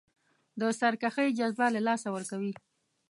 د سرکښۍ جذبه له لاسه ورکوي.